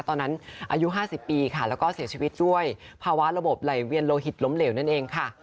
อายุ๕๐ปีค่ะแล้วก็เสียชีวิตด้วยภาวะระบบไหลเวียนโลหิตล้มเหลวนั่นเองค่ะ